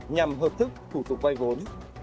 nhằm hợp thức thủ tục vay vốn